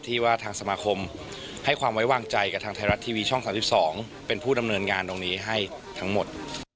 ที่ว่าทางสมาคมให้ความไว้วางใจกับทางไทยรัฐทีวีช่อง๓๒เป็นผู้ดำเนินงานตรงนี้ให้ทั้งหมด